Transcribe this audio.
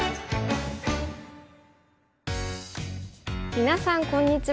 みなさんこんにちは。